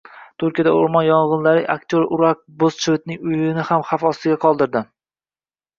Turkiyadagi o‘rmon yong‘inlari aktyor Burak O‘zchivitning uyini ham xavf ostida qoldirdi